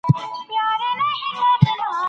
پوهنه خپره کړه.